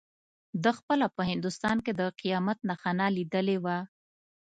ده خپله په هندوستان کې د قیامت نښانه لیدلې وه.